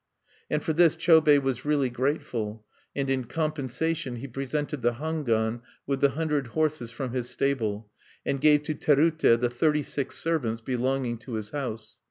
And for this Chobei was really grateful; and in compensation he presented the Hangwan with the hundred horses from his stable, and gave to Terute the thirty six servants belonging to his house.